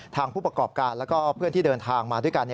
ผู้ประกอบการแล้วก็เพื่อนที่เดินทางมาด้วยกัน